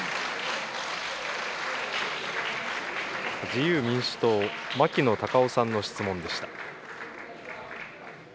自由民主党、牧野たかおさんの質問でした。